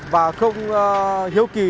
và không hiếu kỳ